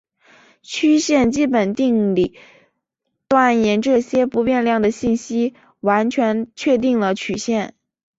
曲线基本定理断言这些不变量的信息完全确定了曲线。